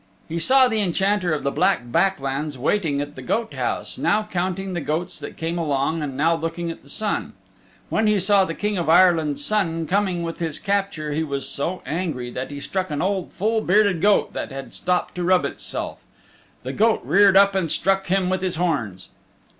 He saw the Enchanter of the Black Back Lands waiting at the goat house, now counting the goats that came along and now looking at the sun. When he saw the King of Ireland's Son coming with his capture he was so angry that he struck an old full bearded goat that had stopped to rub itself. The goat reared up and struck him with his horns.